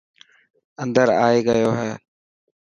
اندر آئي گيو هي.